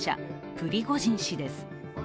プリゴジン氏です。